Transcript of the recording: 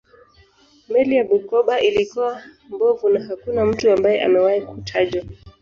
Meli ya Bukoba ilikuwa mbovu na hakuna mtu ambaye amewahi kutajwa